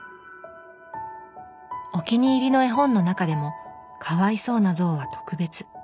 お気に入りの絵本の中でも「かわいそうなぞう」は特別。